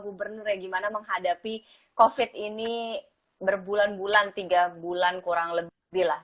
gubernur ya gimana menghadapi covid ini berbulan bulan tiga bulan kurang lebih lah